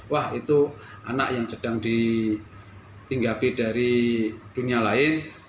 wah itu anak yang sedang dihinggapi dari dunia lain